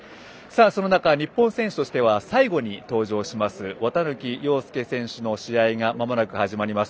日本選手としては最後に登場します綿貫陽介選手の試合がまもなく始まります。